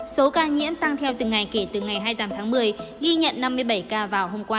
số ca nhiễm tăng theo từng ngày kể từ ngày hai mươi tám tháng một mươi ghi nhận năm mươi bảy ca vào hôm qua